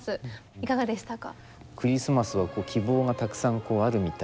いかがでしたか？